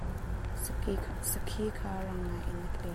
Sakhi kha rang ngai in a tli.